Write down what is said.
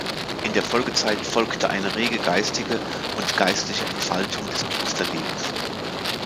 In der Folgezeit folgte eine rege geistige und geistliche Entfaltung des Klosterlebens.